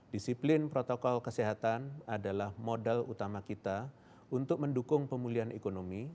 disiplin protokol kesehatan adalah modal utama kita untuk mendukung pemulihan ekonomi